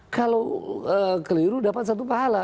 kalau keliru dapat satu pahala